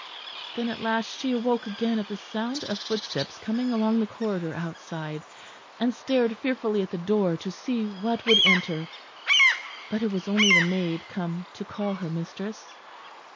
Then at last she awoke again at the sound of footsteps coming along the corridor outside; and stared fearfully at the door to see what would enter. But it was only the maid come to call her mistress.